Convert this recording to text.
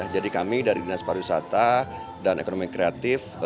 jadi kami dari dinas pariwisata dan ekonomi kreatif